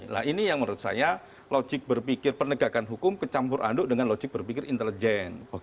nah ini yang menurut saya logik berpikir penegakan hukum kecampur aduk dengan logik berpikir intelijen